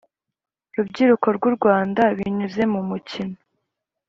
rubyiruko rw u Rwanda binyuze mu mukino